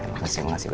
makasih makasih bu